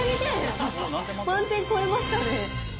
満点超えましたね。